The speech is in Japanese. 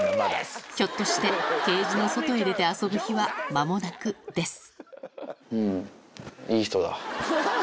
ひょっとしてケージの外へ出て遊ぶ日は間もなくです